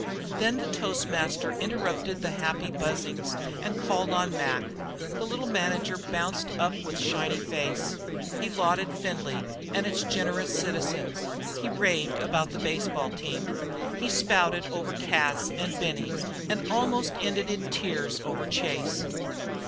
Then the toastmaster interrupted the happy buzzings and called on Mac. The little manager bounced up with shiny face; he lauded Findlay and its generous citizens; he raved about the baseball team; he spouted over Cas and Benny, and almost ended in tears over Chase.